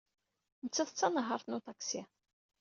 Nettat d tanehhaṛt n uṭaksi?